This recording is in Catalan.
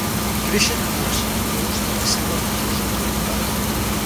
Creixen en el sotabosc de la selva plujosa tropical.